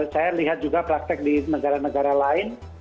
saya lihat juga praktek di negara negara lain